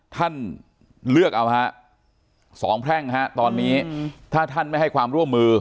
ท่านเลือกเอาฮะสองแพร่งฮะตอนนี้ถ้าท่านไม่ให้ความร่วมมือ